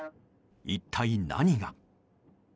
一体何が？